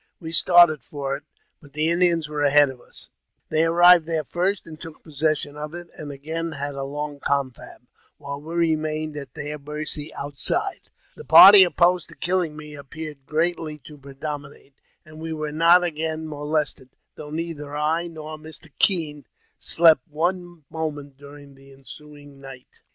We started for it, but the Indians were ahead of us ; they arrived there first, and took possession of it, and again had a long confab, while we remained at their mercy outside. The party opposed to killing me appeared greatly to predominate, and we were not again molested, though neither I nor Mr. Kean slept one moment during the ensuing night.